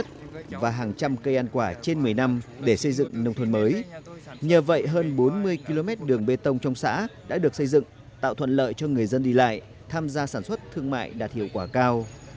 nhờ vậy hơn bốn mươi km đường bê tông trong xã đã được xây dựng tạo thuận lợi cho người dân đi lại tham gia sản xuất thương mại đạt hiệu quả cao